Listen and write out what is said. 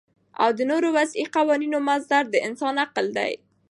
او د نورو وضعی قوانینو مصدر د انسان عقل دی